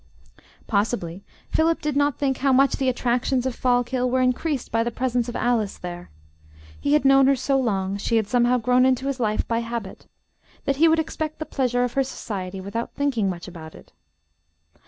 Possibly Philip did not think how much the attractions of Fallkill were increased by the presence of Alice there. He had known her so long, she had somehow grown into his life by habit, that he would expect the pleasure of her society without thinking much about it.